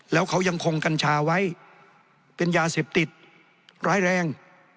แล้วเขายังคงกัญชาไว้เป็นยาเสพติดร้ายแรง